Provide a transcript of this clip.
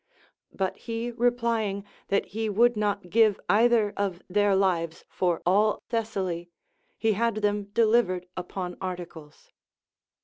But he replying that he would not give either of their lives for all Thessaly, he had them deliv ered upon articles.